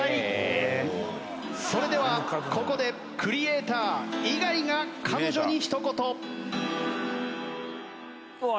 それではここでクリエーター猪狩が彼女にひと言。